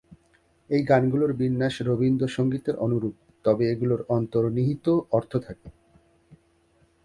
এই গানগুলোর বিন্যাস রবীন্দ্রসঙ্গীতের অনুরূপ, তবে এগুলোর অন্তর্নিহিত অর্থ থাকে।